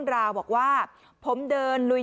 กลับบื้อไม่มีที่เอาเลย